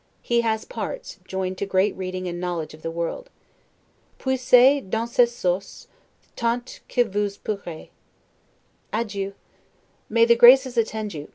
He has parts, joined to great reading and knowledge of the world. 'Puisez dans cette source tant que vous pourrez'. Adieu. May the Graces attend you!